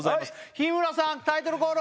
日村さんタイトルコール